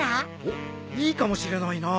おっいいかもしれないな！